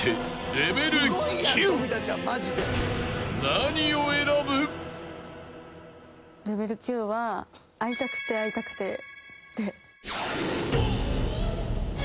レベル９は『会いたくて会いたくて』で。